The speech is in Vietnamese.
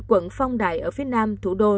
quận phong đại ở phía nam thủ đô